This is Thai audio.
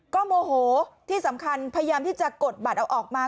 ก็โมโหที่สำคัญพยายามที่จะกดบัตรเอาออกมา